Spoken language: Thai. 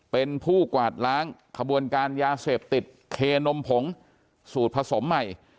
เป็นผู้กวาดล้างขบวนการยาเสพติดเคนมผงสูตรผสมใหม่